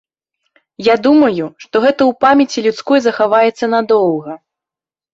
Я думаю, што гэта ў памяці людской захаваецца надоўга.